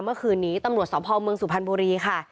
เมื่อคืนนี้ตำรวจสพเมืองสุพรรณบุรีค่ะ